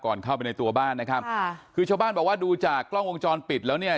เข้าไปในตัวบ้านนะครับค่ะคือชาวบ้านบอกว่าดูจากกล้องวงจรปิดแล้วเนี่ย